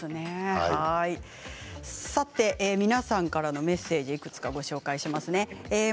皆さんからのメッセージをいくつかご紹介します。